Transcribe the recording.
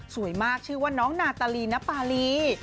สวยมากชื่อว่าน้องนาตาลีณปารี